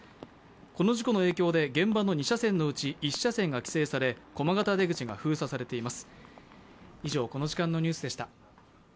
この事故の影響で現場の２車線のうち、１車線が規制され駒形出口が封鎖されています。